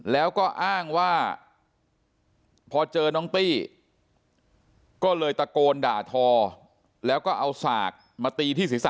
แล้วก็อ้างว่าพอเจอน้องตี้ก็เลยตะโกนด่าทอแล้วก็เอาสากมาตีที่ศีรษะ